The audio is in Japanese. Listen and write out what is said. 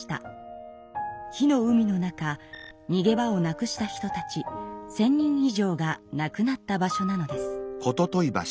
火の海の中にげ場をなくした人たち１，０００人以上が亡くなった場所なのです。